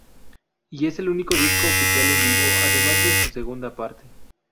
Y es el único disco oficial en vivo además de su segunda parte.